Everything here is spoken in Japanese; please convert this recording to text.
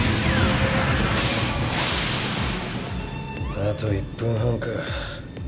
あと１分半か。